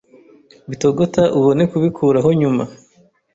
bitogota ubone kubikuraho nyuma